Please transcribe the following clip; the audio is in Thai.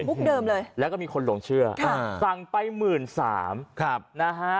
คุกเดิมเลยแล้วก็มีคนหลงเชื่ออ่าสั่งไปหมื่นสามครับนะฮะ